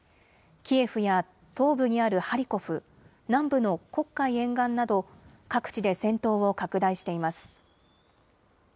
キエフや東部にあるハリコフ、南部の黒海沿岸など各地で戦闘を拡大しています。